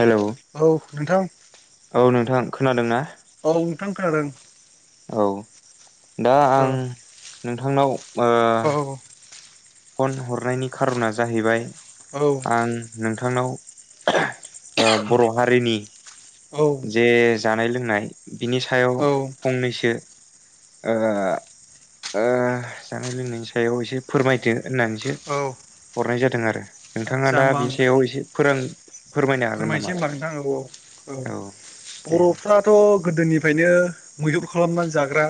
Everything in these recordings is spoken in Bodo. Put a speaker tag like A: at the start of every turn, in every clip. A: हेल'।
B: औ नोंथां।
A: औ नोंथां खोनादों ना?
B: औ नोंथां खोनादों।
A: औ दा
B: औ
A: आं नोंथांनाव ओ
B: औ
A: फन हरनायनि खारना जाहैबाय
B: औ
A: आं नोंथांनाव ओ बर' हारिनि जे जानाय लोंनाय बिनि सायाव
B: औ
A: फंनैसो ओ ओ जानाय लोंनायनि सायाव एसे फोरमायथो होननानैसो
B: औ
A: हरनाय जादों आरो नोंथाङा
B: आदसा
A: दा बिनि सायाव एसे फोरों फोरमायनो हागोन नामा
B: फोरमायनसै हबा नोंथां औ औ
A: दे
B: बर'फ्राथ' गोदोनिफ्रायनो मैहुर खालामनानै जाग्रा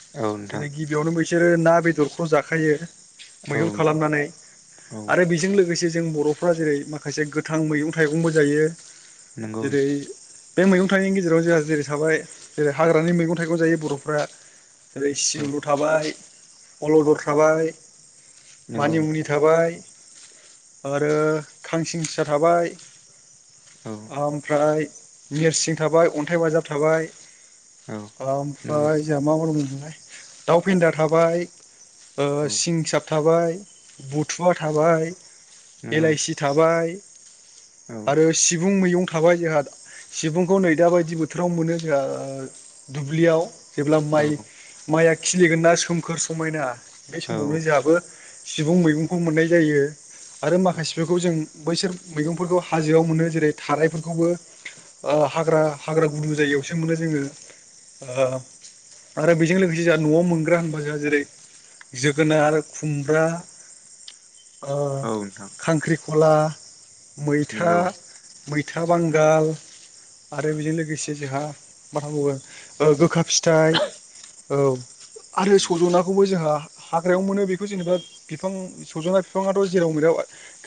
A: नोंथां
B: जेरै गिबियावनो मै बिसोरो ना बेदरखौ जाखायो।
A: औ
B: मैहुर
A: नोंथां
B: खालामनानै
A: औ नोंथां औ
B: आरो बेजों लोगोसे जों बर'फ्रा जेरै माखासे गोथां मैहुर थाइगंबो जायो
A: नोंगौ ओ
B: बे मैगं थाइनि गेजेराव जोंहा जेरै थाबाय जेरै हाग्रानि मैगं थाइगं जायो बर'फ्रा बे ओेरै
A: नोंथां औ
B: सिब्रु थाबाय अलदर थाबाय
A: नंगौ
B: मानिमुनि थाबाय आरो खांसिंसा थाबाय
A: नोंथां औ
B: आमफ्राय नेरसिं थाबाय अन्थाइ बाजाब थाबाय
A: औ नंगौ
B: आमफ्राय जोंहा मा मावा दमोन नोंलाय दाउ फेन्दाया थाबाय ओ
A: औ
B: सिंसाब थाबाय बुथुवा थाबाय
A: नंगौ
B: एलाइसि थाबाय
A: औ
B: आरो सिबुं मैयं थाबाय जोंहा सिबुंखौ नै दा बायदि बोथोराव मोनो जोंहा दुब्लियाव जेब्ला
A: औ
B: माइ माइआ खिलिगोन ना सोमखोर समायना बे
A: औ
B: समावनो जोंहाबो सिबुं मैगंखौ मोननाय जायो आरो
A: औ
B: माखासेफोरखौ जों बैसोर मैगंफोरखौ हाजोआव मोनो जेरै थारायफोरखौबो ओ हाग्रा हाग्रा गुदु जायायावसो मोनो जोङो ओ आरो बेजों लोगोसे जोंहा न'आव मोनग्रा होनबा जोंहा जेरै जोगोनार खुमब्रा ओ
A: औ नोंथां
B: खांख्रिखला मै
A: नोंगौ
B: मैथा बांगाल आरो बेजों लोगोसे जोंहा मा थाबावखो ओ गोखा फि थाय औ आरो
A: उम
B: सज'नाखौबो जोंहा हाग्रायाव मोनो बेखौ जेनेबा बिफां सज'ना बिफाङाथ' जेराव मेराव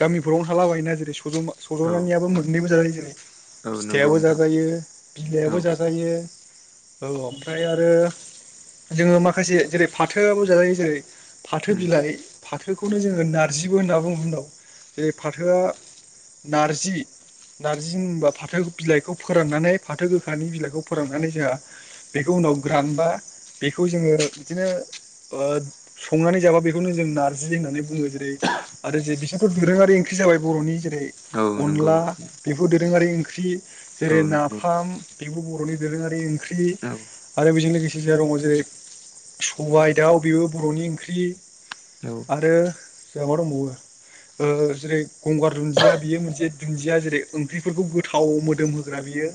B: गामिफोरावनो थालाबायोना जे सजमा
A: औ
B: सज'नानियाबो मोननैबो जाजायो जेरै
A: औ नंगौ
B: फिथाइयाबो
A: नोंथां
B: जाजायो
A: औ
B: बिलाइाबो जाजायो औ आमफ्राय आरो जोङो माखासे जेरै फाथोआबो जाजायो जेरै फाथो
A: उम
B: बिलाइ फाथोखौनो जोङो नारजिबो होनना बुङो उनाव बे फाथोआ नारजि नार्जि होनबा फाथो बिलाइखौ फोराननानै फाथो गोखानि बिलाइखौ फोराननानै जोंहा बेखौ ग्रानबा बेखौ जोङो बिदिनो ओ संनानै जाबा बेखौनो जों नारजि होननानै बुङो जेरै आरो जे बिसोरथ' दोरोङारि ओंख्रि जाबाय बर'नि जेरै
A: औ नंगौ
B: अनला बेफोर दोरोङारि ओं ख्रि
A: औ
B: जेरै
A: नंगौ
B: नाफाम बेबो बर'नि दोरोङारि ओंख्रि
A: औ
B: आरो बेजों लोगोसे जा रङ जेरै सबायाइ दाउ बेबो बर'नि ओंख्रि
A: औ
B: आरो जोंहा मा दंबावो ओ जेरै गंगार दुन्जिया दुन्जिया जेरै ओंख्रिफोरखौ गोथाव मोदोम होग्रा बियो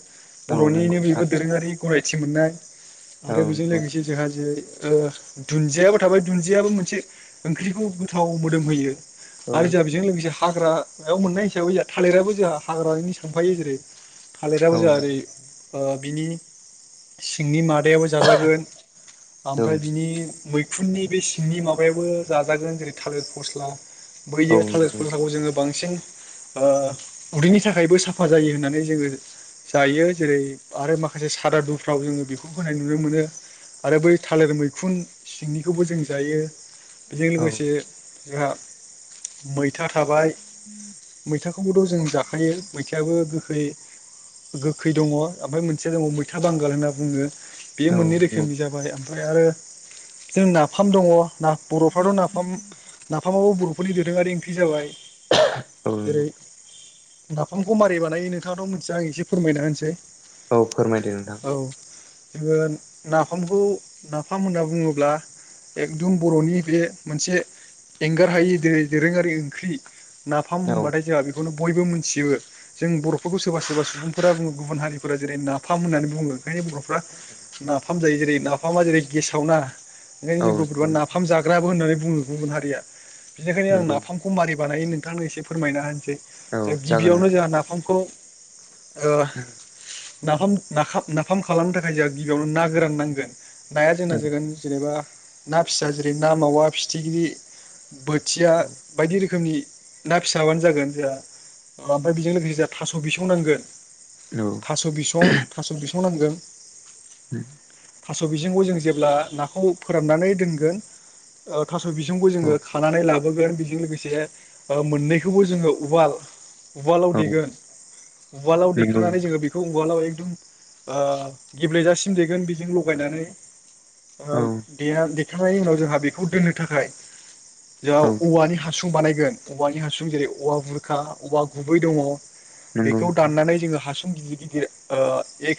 A: औ नंगौ
B: बर'निनो बेबो
A: नोंथां
B: दोरोङारि गनायथि मोननाय
A: औ
B: आरो बेजों
A: नंगौ
B: लोगोसे जोंहा जेरै ओ दुन्जियाबो थाबाय दुन्जियाबो मोनसे ओंख्रिखौ गोथाव मोदोम होयो
A: औ
B: आरो जोंहा बेजों लोगोसे हाग्रायाव मोननाय थालिराबो जोंहा हाग्रानि सांफायो जेरै थालिराबो
A: औ
B: जोंहा ओरै
A: नंगौ
B: ओ बिनि सिंनि मादायाबो जाजागोन
A: औ
B: ओमफ्राय बिनि मै खुननि बे सिंनि माबायाबो जाजागोन जेरै थालिर फस्ला बैयो थालिर
A: नंगौ
B: फथलाखौ जोङो बांसिन ओ उदैनि थाखायबो साफा जायो होननानै जोङो जायो जेरै आरो माखासे सादा दुफ्राव जोङो बेखौ होनाय नुनो मोनो आरो बै थालिर मैखुन सिंनिखौबो जों जायो बेजों
A: औ
B: लोगोसे जोंहा मैथा थाबाय मैथाखौबोथ' जों जाखायो मैथायाबो गोखै गोखै दङ ओमफ्राय मोनसेया दङ मैथा बांगाल होनना बुङो बे मोननै
A: नंगौ
B: रोखोमनि जाबाय ओमफ्राय आरो जों नाफाम दङो ना बर'फ्राथ' नाफाम नाफामावबो बर'फोरनि दोरोङारि ओंख्रि जाबाय
A: [unintelligible] [inaudible]
B: जेरै नाफामखौ मारिै बानायो नोंथाङाथ' मोनथिया आं एसे फोरमायना होनसै।
A: औ फोरमायदो नोंथां।
B: औ जोङो नाफामखौ नाफाम होनना बुङोब्ला एकदम बर'नि बे मोनसे एंगार हायि दो-दोरोङारि ओंख्रि। नाफाम
A: औ
B: मोनबा बेखौनो बयबो मिथिजोबो जों बर'फोरखौ सोरबा सोरबा सुबुंफोरा बुङो गुबुन हारिफोरा जेरै नाफाम होननानै बुङो। ओंखायनो बर'फ्रा नाफाम जायो जेरै नाफामा जेरै गेसाव ना ओंखायनो
A: औ
B: जोंबोरबा
A: नंगौ
B: नाफाम जाग्राबो होननानै बुङो गुबुन हारिया। बिनिखायनो आं
A: नंगौ
B: नाफामखौ माबारि बानाय नों नोंथांनो एसे फोरमायना होनोसै,
A: औ
B: जो
A: जागोन
B: गिबियावनो
A: नोंथां
B: जोंहा नाफामखौ ओ
A: औ
B: नाफाम नखाम नाफाम खालामनो थाखाय जोंहा गिबियावनो ना गोरान नांगोन। नाया जोंना जागोन जेनेबा ना फिसा जेरै ना मावा फिथिख्रि बोथिया
A: औ
B: बायदि रोखोमनि ना फिसाबानो जागोन जोंहा मफ्राय बेजों लोगोसे जोंहा थास' बिसं नांगोन।
A: औ
B: थास' बिसं थास' बिसं नामगोन।
A: उम
B: थास' बिजोंखौ जों जेब्ला नाखौ फोराननानै दोनगोन ओ थास' बिसंखौ जोङो खानानै लाबोगोन बेजों लोगोसे मोननैखौबो जोङो उवाल उवालाव
A: औ
B: देगोन उवालाव
A: नंगौ
B: देखांनानै जोङो बेखौ उवालाव ए दम गेब्लेेजासिम देगोन बेजों लगायनानै
A: औ
B: ओ दे देखांनायनि उनाव जोंहा बेखौ दोननो थाखाय जोंहा
A: औ
B: औवानि हासुं बानायगोन औवानि हासुं जेरै औवा बुरखा औवा गुबै दङ।
A: नंगौ
B: बेखौ
A: नोंथां
B: दाननानै जोङो हासुं गिदिर गिदिर ओ ए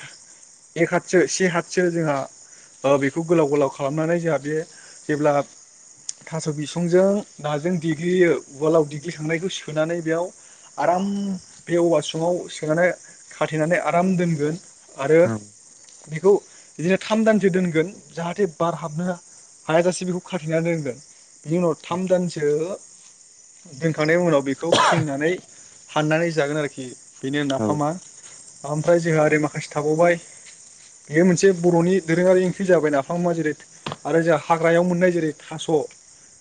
B: एक हाथसो से हाथसो जोंहा ओ बेखौ गोलाव गोलाव खालामनानै जोंहा बे जेब्ला थास' बिसंजों नाजों देग्लियो उवालाव देग्लिखांनायखौ सोनानै बेयाव आराम बे औवासुङाव सोनानै खाथेनानै आराम दोनगोन आरो बेखौ बिदिनो थाम दानसो दोनगोन जाहाथे बार हाबनो हायाजासे बेखौ खाथेनानै दोंगोन बिनि उनाव थाम दानसो दोनखांनायनि उनाव बेखौ खेंनानै हाननानै जागोन आरोखि बेनो
A: औ
B: नाफामा।
A: औ
B: ओमफ्राय जोंहा ओरै माखासे थाबावबाय बेयो मोनसे बर'नि दोरोङारि ओंख्रि जाबाय नाफामा जेरै आरो जोंहा हाग्रायाव मोननाय जेरै थास'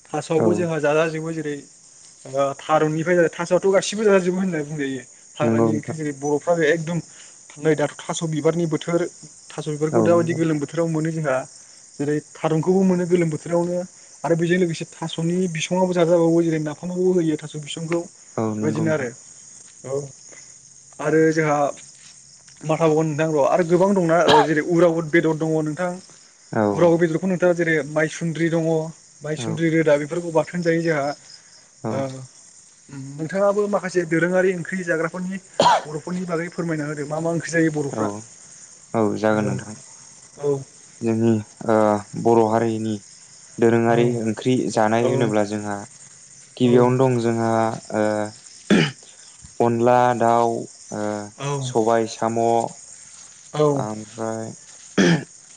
B: थास'आवबो
A: औ
B: जोंहा जाजाजोंबो जेरै ओ थारुननिफ्राय थास'आथ' गासिबो जाजाजोबो होनानै बुंजायो
A: नंगौ
B: हाग्रानि
A: नोंथां
B: ओंख्रि जेरै बर'फ्रा एकदम थांनाय दाथ' थास' बिबारनि बोथोर थास'
A: औ
B: बिबारखौ दाबायदि
A: नंगौ
B: गोलोम बोथोराव मोनो जोंहा। जेरै थारुनखौबो मोनो गोलोम बोथोरावनो आरो बेजों लोगोसे थास'नि बिसङाबबो जाजाबावो जेरै ना फामाव होयो थास' बिसंखौ
A: औ नंगौ
B: बेबायदिनो
A: नोंथां
B: आरो ओ आरो जोंहा माथाबावगोन नोंथां र' आरो गोबां दंना जेरै उरावद बेदर दङ नोंथां।
A: औ
B: उराग बेदरखौ नोंथाङा जेरै मायसुन्द्रि दङ
A: औ
B: माइसुन्द्रि रोदा बेफोरखौ बाथो नजायो जोंहा
A: औ
B: नोंथाङाबो माखासे दोरोङारि ओंख्रि जाग्रा नि बर'फोरनि बागै फोरमायना होदों मा मा ओं ख्रि जायो
A: औ
B: बर'फ्रा? औ
A: जोङो आ बर' हारिनि दोरोङारि ओंख्रि
B: औ
A: जानाय होनोब्ला जोंहा
B: औ
A: गिबियावनो दं जोंहा ओ अनला दाउ आ
B: औ
A: सबाय साम' ओमफ्राय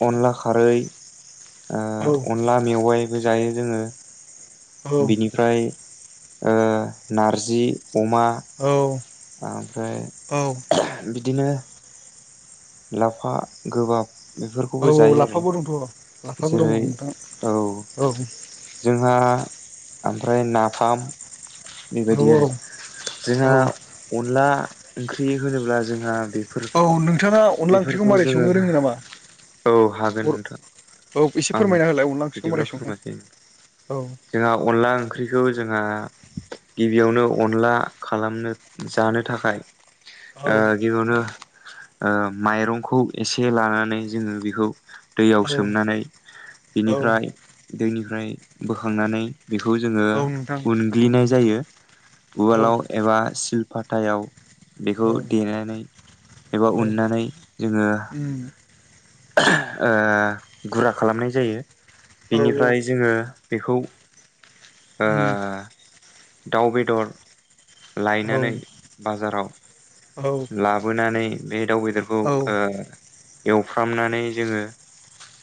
A: अनला खारै आ
B: औ
A: अनला मेवाइबो जायो जोङो। बिनिफ्राय ओ नारजि अमा। ओमफ्राय
B: औ औ
A: बिदिनो लाफा गोबाब
B: औ
A: बेफोरखौबो जायो आरो
B: लाफाबो दंथ' लाफाबो दङ
A: जेरै
B: नोंथां
A: औ
B: औ
A: जोंहा आम ओमफ्राय नाफाम
B: औ
A: बेबायदि आरो
B: औ
A: जोंहा अनला ओंख्रि होनोब्ला जोंहा बे फोर
B: औ नोंथाङा अनला ओंख्रिखौ
A: बेफोरखौ
B: मारै
A: जोङो
B: संनो रोङो नामा
A: औ हागोन
B: बर
A: नोंथां
B: औ एसे
A: आं
B: फोरमायना होलाय अनला ओंख्रिखौ
A: बिदिब्ला
B: मारै सङो
A: फोरमायासै
B: औ
A: जोंहा अनला ओंख्रिखौ जोंहा गिबियावनो अनला खालामनो जानो थाखाय
B: औ
A: आ गिबियावनो आ माइरंखौ एसे लानानै जोङो बेखौ दैयाव
B: औ
A: सोमनानै
B: औ
A: बिनिफ्राय दैनिफ्राय बोखांनानै बेखौ जोङो
B: औ नोंथां औ
A: उनग्लिनाय जायो
B: औ
A: उवालाव एबा सिलपातायाव
B: औ
A: बेखौ देनानै एबा
B: औ
A: उननानै जोङो
B: उम
A: गुरा खालामनाय जायो
B: औ
A: बेनिफ्राय जोङो बेखौ ओ
B: उम
A: दाउ बेदर
B: औ
A: लायनानै बाजाराव लाबोनानै बे दाउ बेदरखौ आ एवफ्रामनानै जोङो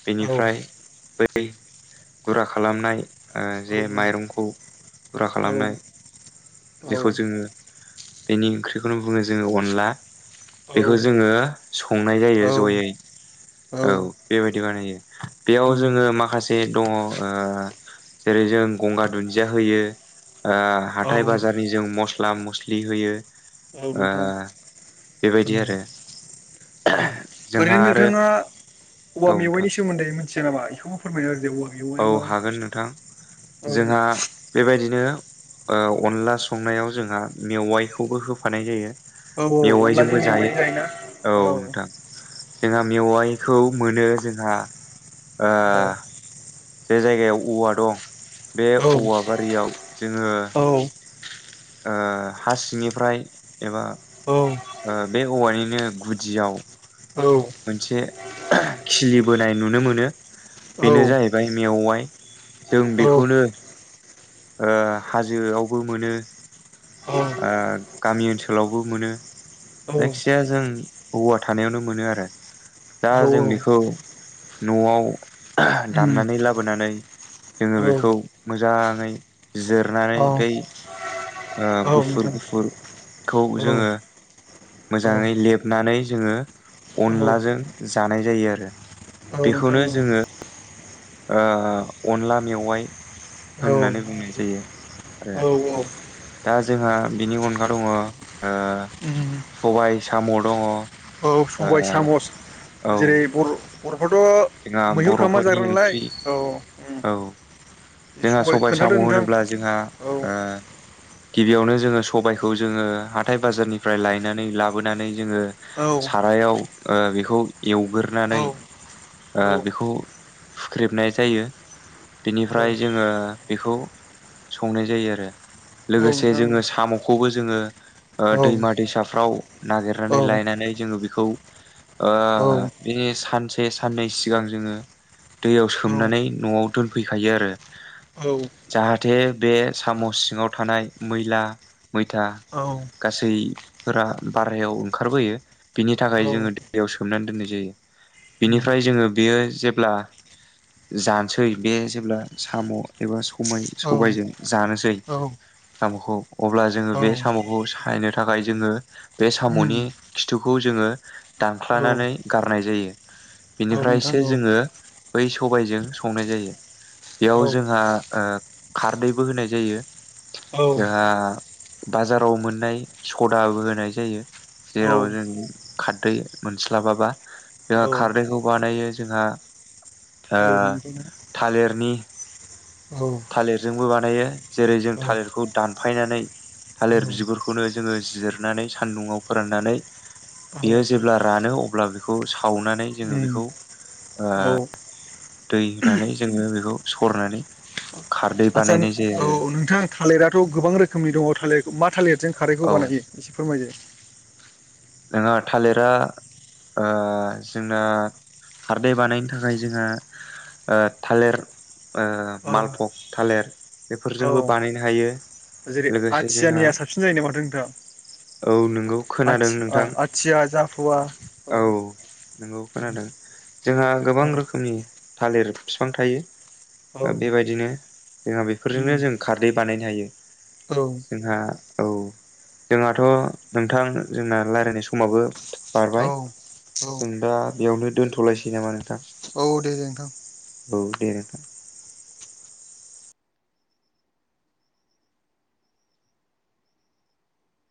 A: बेनिफ्राय बै गुरा खालामनाय आ
B: औ
A: जे माइरंखौ गुरा
B: औ
A: खालामनाय बेखौ जोङो बेनि ओंख्रिखौनो बुङो जोङो अनला बेखौ जोङो संनाय जायो जयै औ बेबायदि बानायो। बेयाव
B: उम औ
A: जोङो माखासे दङ ओ जेरै जों गंगार दुन्दिया होयो ओ हाथाय
B: औ
A: बाजारनि जों मस्ला मस्लि होयो ओ
B: औनोथां।
A: बेबायदि आरो जोंहा
B: ओरैनो
A: आरो
B: नोंथाङा औवा
A: औ नोंथां
B: मेवाइनि सोमोन्दै मिथिया नामा बेखौबो फोरमायनो
A: औ हागोन नोंथां जोंहा बेबायदि बिदिनो ओ अनला संनायाव जोंहा मेवाइखौबो होफानाय जायो
B: होदो औवा मेवाया मा बुस्थु औ
A: मेवाइजोंबो
B: अनलाजों
A: जायो
B: मेवाइजों जायोना
A: औ नोंथां। जोंहा मेवाइखौ मोनो जोंहा ओ
B: औ
A: जे जायगायाव औवा दं बे
B: औ
A: औवा बारियाव जोङो ओ हा सिंनिफ्राय एबा ओ बे औवानिनो गुदियाव
B: औ
A: मोनसे ओह खिलि बोनाय नुनो मोनो बेनो जाहैबाय मेवाइ जों बेखौनो ओ हाजोआवबो मोनो ओ गामि ओनसोलावबो मोनो
B: औ
A: जायखिजाया जों औवा थानायावनो मोनो आरो दा
B: औ
A: जों बेखौ न'आव ओह
B: उम
A: दामनानै लाबोनानै जोङो
B: औ
A: बेखौ मोजाङै जिरनानै
B: औ
A: बै
B: औ
A: गुफुर
B: नोंथां
A: गुफुरखौ
B: औ
A: जोङो
B: औ
A: मोजाङै लेबनानै जोङो
B: औ
A: अनलाजों जानाय जायो आरो।
B: औ नोंथां
A: बेखौनो
B: औ।
A: जोङो ओ अनला मेवाइ
B: औ
A: होननानै बुंनाय जायो आरो
B: औ
A: दा जोंहा बिनि अनगा दङ ओ
B: उम
A: सबाय साम' दङ
B: औ सबाय सामस
A: औ
B: जेरै बर' बेखैथ
A: जोंहा
B: मैहुर खालामा
A: बर'फोरनि
B: जाग्रा नालाय
A: ओंख्रि
B: औ उम
A: औ जोंहा सबाय साम'
B: खोन्थादो नोंथां
A: होनोब्ला जोंहा
B: औ
A: ओ गिबियावनो जोङो सबायखौ जोङो हाथाय बाजारनिफ्राय लायनानै लाबोनानै जोङो
B: औ
A: सारायाव बेखौ
B: औ
A: एवग्रानै
B: औ
A: बेखौ हुख्रेबनाय जायो बेनिफ्राय ओमफ्राय जोङो बेखौ संनाय जायो आरो।
B: औ
A: लोगोसे
B: नोंथां
A: जोङो साम'खौबो जोङो
B: औ
A: दैमा दैसाफ्राव
B: औ
A: नागिरनानै लायनानै जोङो बेखौ
B: औ
A: बिनि सानसे साननै सिगां जोङो दैयाव सोमनानै न'आव दोनफैखायो आरो जाहाथे बे साम' सिङाव थानाय मैला मैथा
B: औ
A: गासैफोरा बारहायाव ओंखारबोयो बिनि थाखाय जोङो दैयाव सोमनानै दोननाय जायो
B: उम
A: बिनिफ्राय जोङो बेयो जेब्ला जानोसै बे जेब्ला साम' एबा सबाय सबायजों
B: औ
A: जानोसै
B: औ उम
A: साम'खौ अब्ला जोङो बे साम'खौ सायनो थाखाय जोङो बे साम'नि खिथुखौ खौ जोङो
B: औ
A: दानख्लनानै गारनाय जायो।
B: औ नोंथां
A: बिनिफ्रायसो
B: औ
A: जोङो बै सबायजों संनाय जायो।
B: औ
A: बेयाव जोंहा खारदैबो होनाय जायो जोंहा बाजाराव मोननाय सदाबो होनाय जायो
B: औ
A: जेराव
B: औ
A: जों खारदै मोनस्लाबाबा जोंहा खारदैखौ बानायो जोंहा ओ
B: थालिरख।
A: थालिरनि थालिरजोंबो बानायो जेरै जों
B: औ
A: थालिरखौ दानफायनानै थालिर
B: औ
A: बिगुरखौनो जोङो जिरनानै सान्दुंआव फोराननानै
B: औ
A: बियो जेब्ला रानो अब्ला बेखौ सावनानै जोङो
B: उम
A: बेखौ
B: औ।
A: दै होनानै जोङो बेखौ सरनानै खारदै
B: आदसा
A: बानायनाय जायो
B: औ
A: आरो
B: नोंथां थालिराथ' गोबां रोखोमनि दङ थालिर मा थालिर जों खारैखौ
A: औ
B: बानायो एसे फोरमायदो।
A: नङा थालिरा जोंना खारदै बानायनो थाखाय जोंहा थालिर
B: औ
A: मालफक थालिर
B: औ
A: बेफोरजोंबो बानायनो हायो
B: जेरै
A: लोगोसे जोंहा
B: आथियानिया साबसिन जायो न माथ नोंथां
A: औ नोंगौ
B: आ
A: खोनादों नोंथां
B: आथिया जाफुवा औ
A: नंगौ खोनादों जोंहा गोबां
B: औ
A: रोखोमनि थालिर बिफां
B: औ
A: थायो बेबायदिनो जोंहा बेफोरजोंनो
B: उम
A: जों खारदै बानायनो
B: औ
A: जों औ जोंहथ' नोंथ ज रायलायनाय समाबो
B: औ
A: बारबाय
B: औ
A: जों दा बेयावनो दोनथ'लायसै नामा नोंथां।
B: औ दे दे नोंखां।
A: औ दे नथां।